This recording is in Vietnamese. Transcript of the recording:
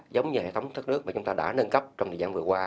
giống như hệ thống thoát nước mà chúng ta đã nâng cấp trong thời gian vừa qua